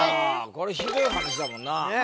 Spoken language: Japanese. これひどい話だもんな。